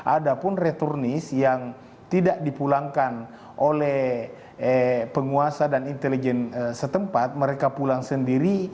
ada pun returnis yang tidak dipulangkan oleh penguasa dan intelijen setempat mereka pulang sendiri